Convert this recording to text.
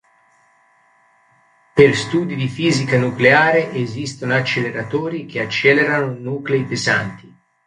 Per studi di fisica nucleare esistono acceleratori che accelerano nuclei pesanti.